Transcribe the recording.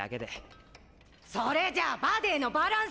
それじゃバデェのバランスが！